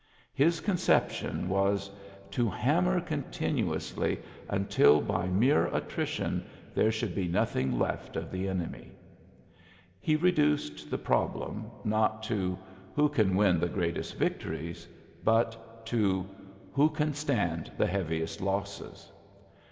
TT i' s conception was '^to hammer contin iiurary coi% ^»^ 104 ULYSSES S. GRAlifT uoudy ... until by mere attrition" there should be nothing left of the en emy. He reduced the problem^ not to "Who can win the greatest victoriesl" but to "Who can stand the heaviest losses!"